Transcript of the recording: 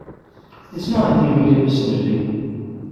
It's not in the immediate vicinity.